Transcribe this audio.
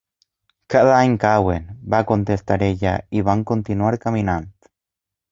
Cada any cauen,—va contestar ella, i van continuar caminant.